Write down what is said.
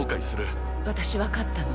私分かったの。